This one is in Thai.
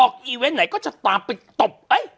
ออกอีเวนต์ไหนก็ตามไปตบไป